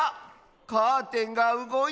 カーテンがうごいてる。